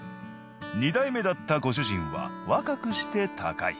２代目だったご主人は若くして他界。